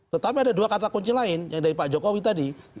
tetapi ada dua kata kunci lain yang dari pak jokowi tadi